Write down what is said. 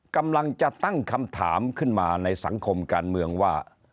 กำลังจะตั้งคำถามขึ้นมาในสังคมการเมืองว่า